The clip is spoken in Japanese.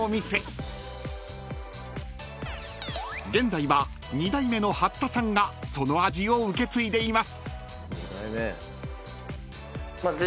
［現在は２代目の八田さんがその味を受け継いでいます］